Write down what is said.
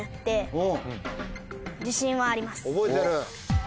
覚えてる。